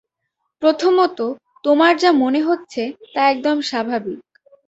প্রথমত, তোমার যা মনেহচ্ছে তা একদম স্বাভাবিক।